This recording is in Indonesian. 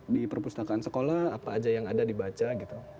di perpustakaan sekolah apa aja yang ada dibaca gitu